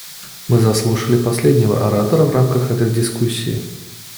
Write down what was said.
Мы заслушали последнего оратора в рамках этой дискуссии.